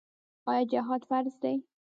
آیا جهاد فرض دی؟